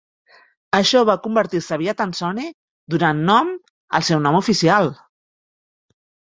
Això va convertir-se aviat en Sonny, donant nom al seu nom "oficial".